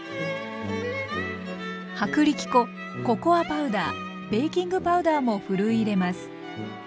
薄力粉ココアパウダーベーキングパウダーもふるい入れます。